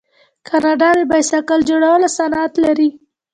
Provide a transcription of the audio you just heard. کاناډا د بایسکل جوړولو صنعت لري.